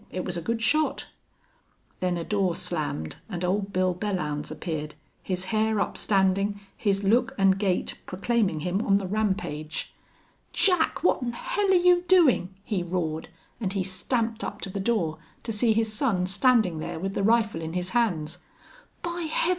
It was a good shot." Then a door slammed and Old Bill Belllounds appeared, his hair upstanding, his look and gait proclaiming him on the rampage. "Jack! What'n hell are you doin'?" he roared, and he stamped up to the door to see his son standing there with the rifle in his hands. "By Heaven!